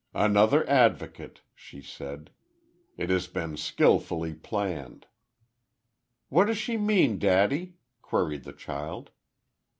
"Another advocate!" she said. "It has been skilfully planned." "What does she mean, daddy?" queried the child.